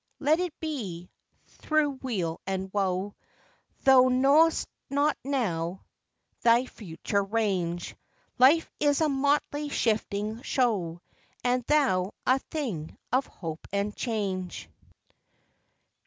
let it be, through weal and woe, Thou know'st not now thy future range; Life is a motley shifting show, And thou a thing of hope and change.